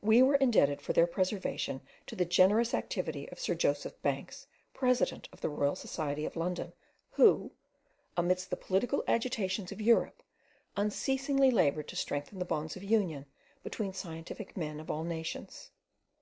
We were indebted for their preservation to the generous activity of Sir Joseph Banks, President of the Royal Society of London, who, amidst the political agitations of Europe, unceasingly laboured to strengthen the bonds of union between scientific men of all nations.